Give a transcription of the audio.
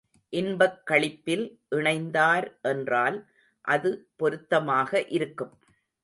இன்பக் களிப்பில் இணைந்தார் என்றால் அது பொருத்தமாக இருக்கும்.